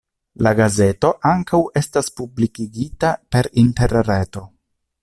La gazeto ankaŭ estas publikigita per interreto.